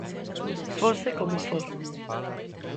Fose como for.